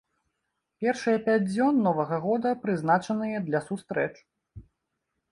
Першыя пяць дзён новага года прызначаныя для сустрэч.